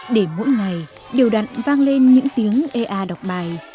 để mỗi ngày đều đặn vang lên những tiếng ea đọc bài